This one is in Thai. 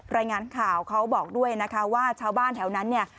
รายงานข่าวเขาบอกด้วยนะคะว่าชาวบ้านแถวนั้นเนี่ย